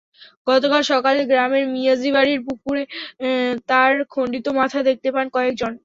গতকাল সকালে গ্রামের মিয়াজী বাড়ির পুকুরে তার খণ্ডিত মাথা দেখতে পান কয়েকজন।